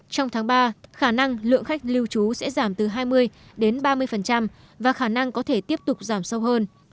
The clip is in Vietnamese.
trong tháng ba khả năng lượng khách lưu trú sẽ giảm từ hai mươi đến ba mươi và khả năng có thể tiếp tục giảm sâu hơn